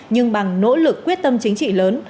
nhưng bằng nỗ lực quyết tâm chính trị lớn